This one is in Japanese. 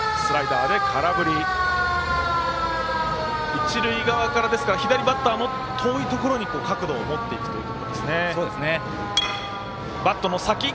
一塁側から左バッターの遠いところに角度を持っていくということですね。